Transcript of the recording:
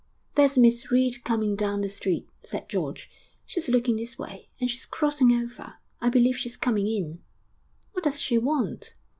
'There's Miss Reed coming down the street,' said George. 'She's looking this way, and she's crossing over. I believe she's coming in.' 'What does she want?'